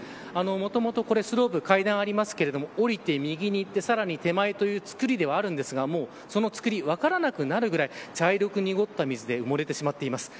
もともとスロープ階段ありますけど下りて右に行って、さらに手前という造りではあるんですがもう、そのつくりが分からなくなるぐらい茶色く濁った水で埋もれてしまっています。